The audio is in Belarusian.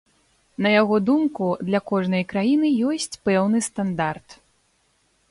На яго думку, для кожнай краіны ёсць пэўны стандарт.